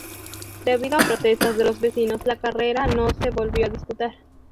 Debido a protestas de los vecinos, la carrera no se volvió a disputar.